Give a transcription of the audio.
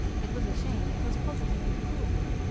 It was a shame; it was positively cruel!